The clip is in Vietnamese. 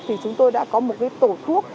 thì chúng tôi đã có một tổ thuốc